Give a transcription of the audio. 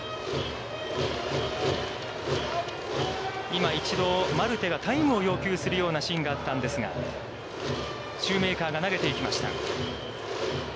今一度マルテがタイムを要求するようなシーンがあったんですが、シューメーカーが投げていきました。